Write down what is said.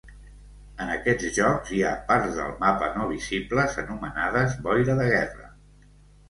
En aquests jocs hi ha parts del mapa no visibles anomenades boira de guerra.